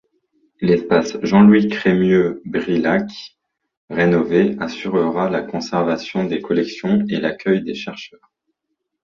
L’espace Jean-Louis-Crémieux-Brilhac rénové assurera la conservation des collections et l'accueil des chercheurs.